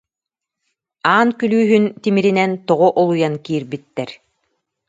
Аан күлүүһүн тими- ринэн тоҕо олуйан киирбиттэр